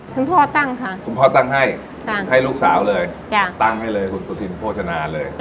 คุณพ่อตั้งค่ะคุณพ่อตั้งให้ตั้งให้ลูกสาวเลยตั้งให้เลยคุณสุธินโภชนาเลย